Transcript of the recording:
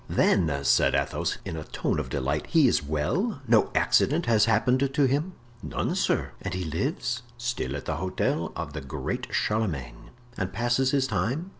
"Then," said Athos in a tone of delight, "he is well? no accident has happened to him?" "None, sir." "And he lives?" "Still at the Hotel of the Great Charlemagne." "And passes his time?"